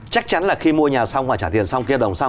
chắc chắn là khi mua nhà xong và trả tiền xong